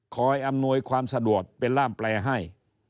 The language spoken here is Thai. อำนวยความสะดวกเป็นล่ามแปลให้